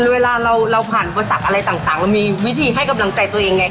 เวลาเราเราผ่านประสักอะไรต่างต่างเรามีวิธีให้กำลังใจตัวเองไง